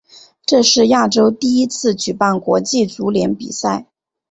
这是亚洲第一次举办国际足联比赛。